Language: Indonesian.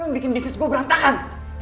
lo yang bikin bisnis gue berantakan